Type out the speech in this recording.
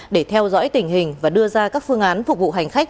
để theo dõi tình hình và đưa ra các phương án phục vụ hành khách